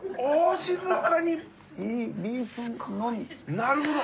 なるほど！